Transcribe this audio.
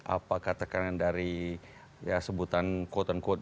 apakah tekanan dari ya sebutan quote unquote